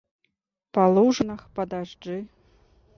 Па лужынах, па дажджы.